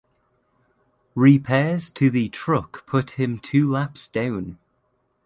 Repairs to the truck put him two laps down.